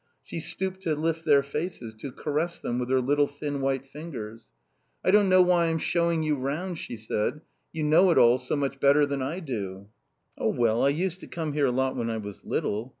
She stooped to lift their faces, to caress them with her little thin white fingers. "I don't know why I'm showing you round," she said; "you know it all much better than I do." "Oh, well, I used to come here a lot when I was little.